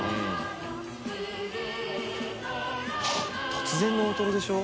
突然の大トロでしょ？